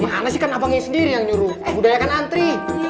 mana sih kenapa nih sendiri yang nyuruh budayakan antri